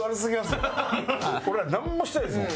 俺らなんもしてないですもん。